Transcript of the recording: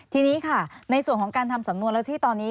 ทีนี้ค่ะในส่วนของการทำสำนวนแล้วที่ตอนนี้